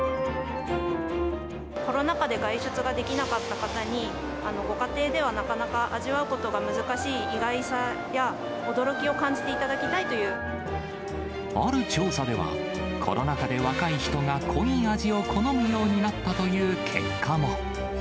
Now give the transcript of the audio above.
コロナ禍で外出ができなかった方に、ご家庭ではなかなか味わうことが難しい意外さや、驚きをある調査では、コロナ禍で若い人が濃い味を好むようになったという結果も。